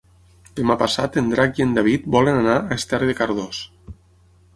Demà passat en Drac i en David volen anar a Esterri de Cardós.